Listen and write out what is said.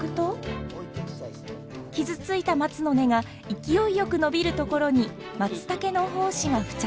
傷ついた松の根が勢いよく伸びるところにマツタケの胞子が付着。